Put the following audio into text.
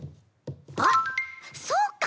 あっそうか。